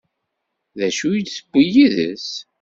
D acu i d-tewwi yid-s?